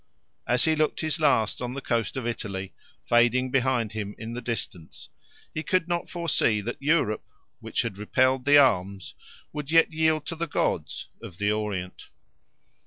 As he looked his last on the coast of Italy, fading behind him in the distance, he could not foresee that Europe, which had repelled the arms, would yet yield to the gods, of the Orient.